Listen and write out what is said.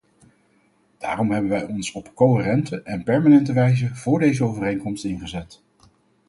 Daarom hebben wij ons op coherente en permanente wijze voor deze overeenkomst ingezet.